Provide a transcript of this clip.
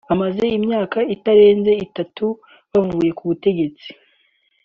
bamaze imyaka itarenze itatu bavuye ku butegetsi